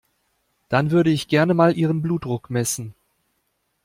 Dann würde ich gerne mal Ihren Blutdruck messen.